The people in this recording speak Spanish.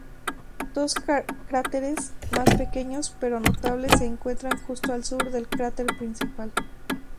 Dos cráteres más pequeños pero notables se encuentran justo al sur del cráter principal.